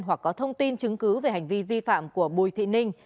hoặc có thông tin chứng cứ về hành vi vi phạm của bùi thị ninh